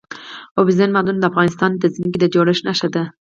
اوبزین معدنونه د افغانستان د ځمکې د جوړښت نښه ده.